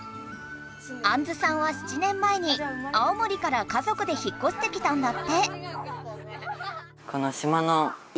あんずさんは７年前に青森から家族で引っこしてきたんだって。